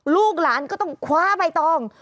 ลูกหลานก็ต้องคว้าใบตอง